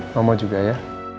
mama juga ya